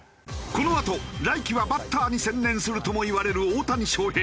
このあと来季はバッターに専念するともいわれる大谷翔平。